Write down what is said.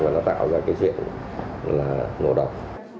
và nó tạo ra cái chuyện là ngộ độc